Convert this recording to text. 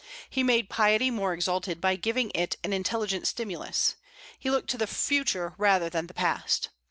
He made piety more exalted by giving it an intelligent stimulus. He looked to the future rather than the past.